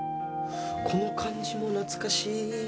この感じも懐かしい。